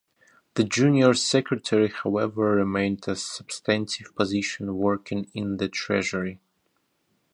The Junior Secretary however remained a substantive position working in the Treasury.